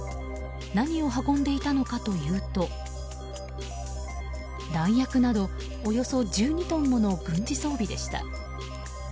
何を運んでいたのかというと弾薬など、およそ１２トンもの軍事装備でした。